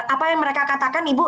apa yang mereka katakan ibu